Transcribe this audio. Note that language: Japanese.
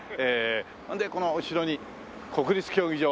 ほんでこの後ろに国立競技場。